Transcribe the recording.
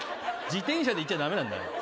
自転車で行っちゃ駄目なんだよ。